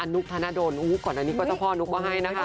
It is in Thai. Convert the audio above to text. อนุคลาณโดลอุ๊ก่อนอันนี้ก็จะพ่ออนุมาให้นะคะ